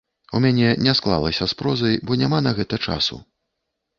У мяне не склалася з прозай, бо няма на гэта часу.